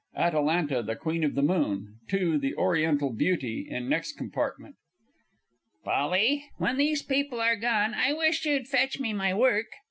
ATALANTA, THE QUEEN OF THE MOON (to the ORIENTAL BEAUTY in next compartment). Polly, when these people are gone, I wish you'd fetch me my work!